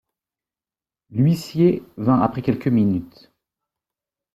L’huissier vint après quelques minutes.